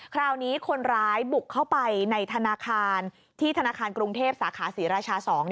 คราวนี้คนร้ายบุกเข้าไปในธนาคารที่ธนาคารกรุงเทพสาขาศรีราชา๒